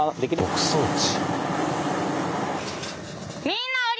牧草地。